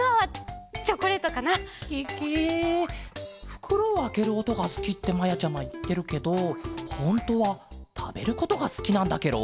ふくろをあけるおとがすきってまやちゃまいってるけどほんとはたべることがすきなんだケロ？